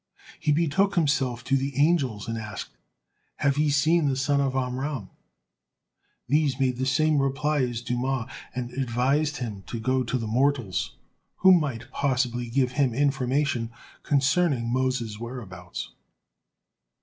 He betook himself to the angels and asked, "Have ye seen the son of Amram?" These made the same reply as Dumah, and advised him to go to the mortals, who might possibly give him information concerning Moses' whereabouts.